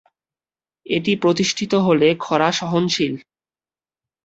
এটি প্রতিষ্ঠিত হলে খরা সহনশীল।